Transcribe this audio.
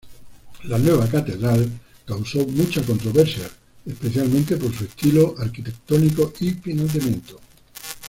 La nueva Catedral causó mucha controversia, especialmente por su estilo arquitectónico y financiamiento.